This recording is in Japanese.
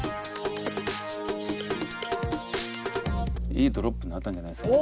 いいドロップになったんじゃないですか。